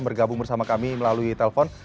bergabung bersama kami melalui telpon